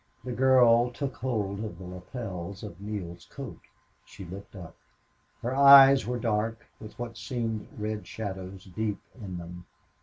The girl took hold of the lapels of Neale's coat. She looked up. Her eyes were dark, with what seemed red shadows deep in them.